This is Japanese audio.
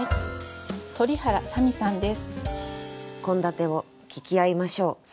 鳥原さみさんです。